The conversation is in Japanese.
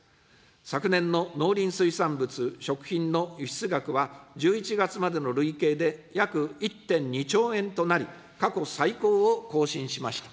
昨年の農林水産物、食品の輸出額は、１１月までの累計で約１．２兆円となり、過去最高を更新しました。